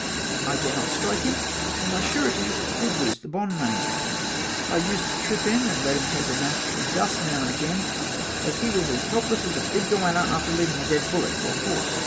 I dare not strike him or my sureties would loose the bond money I used to trip him and let him take a mouth ful of dust now and again as he was as helpless as a big guano after leaving a dead bullock or a horse.